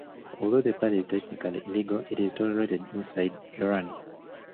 Although the party is technically illegal, it is tolerated inside Iran.